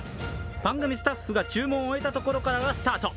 番組スタッフが注文を終えたところからがスタート。